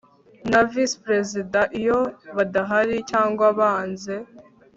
na visi perezida iyo badahari cyangwa banze